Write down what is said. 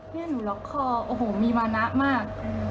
เนี่ยหนูล็อกคอโอ้โหมีมานะมาก